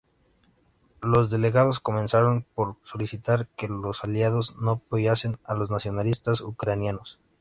Los delegados comenzaron por solicitar que los Aliados no apoyasen a los nacionalistas ucranianos.